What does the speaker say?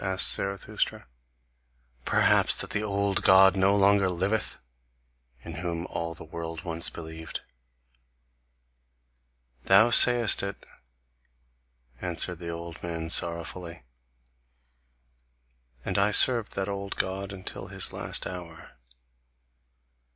asked Zarathustra. "Perhaps that the old God no longer liveth, in whom all the world once believed?" "Thou sayest it," answered the old man sorrowfully. "And I served that old God until his last hour.